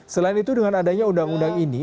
selain itu dengan adanya undang undang ini